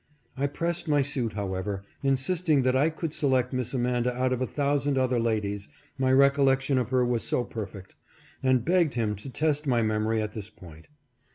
I pressed my suit, how ever, insisting that I could select Miss Amanda out of a thousand other ladies, my recollection of her was so per fect, and begged him to test my memory at this point.